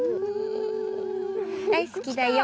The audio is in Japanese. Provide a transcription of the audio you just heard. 大好きだよ！